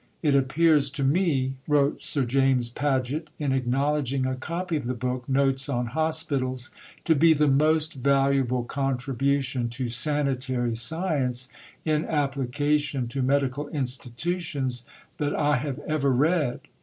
"It appears to me," wrote Sir James Paget, in acknowledging a copy of the book, Notes on Hospitals, "to be the most valuable contribution to sanitary science in application to medical institutions that I have ever read."